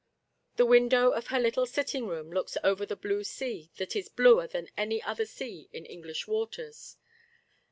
The window of her little sit ting room looks over the blue sea that is bluer than any other sea in English waters.